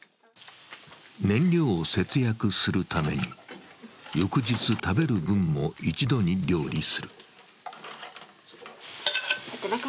燃料を節約するために、翌日、食べる分も一度に料理する。